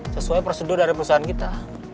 sesuai prosedur dari perusahaan kita